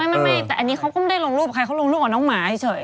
ไม่แต่อันนี้เขาก็ไม่ได้ลงรูปใครเขาลงรูปกับน้องหมาเฉย